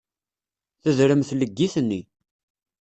Tedrem tleggit-nni.